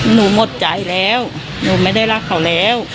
หมดใจแล้วหนูไม่ได้รักเขาแล้ว